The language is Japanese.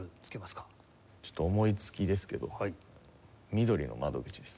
ちょっと思いつきですけど「みどりの窓口」です。